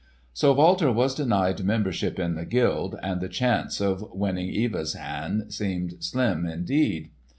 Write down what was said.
So Walter was denied membership in the guild, and the chance of winning Eva's hand seemed slim indeed.